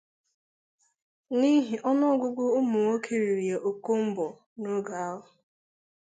n'ihi ọnụọgụgụ ụmụnwoke riri ya ọkọmbọ n'oge ahụ.